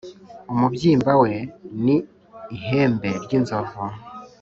Umubyimba we ni ihembe ry’inzovu,